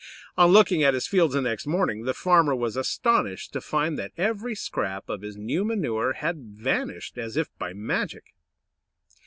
On looking at his fields the next morning, the farmer was astonished to find that every scrap of his new manure had vanished as if by magic!